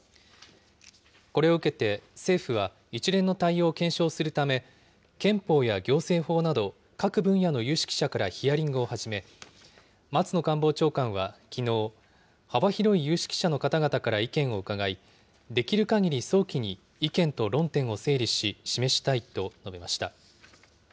これを受けて政府は、一連の対応を検証するため、憲法や行政法など、各分野の有識者からヒアリングを始め、松野官房長官はきのう、幅広い有識者の方々から意見を伺い、できるかぎり早期に意見と論点を整理し、示したいと述べました。